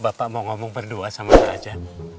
bapak mau ngomong berdua sama saya aja